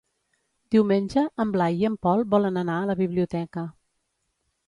Diumenge en Blai i en Pol volen anar a la biblioteca.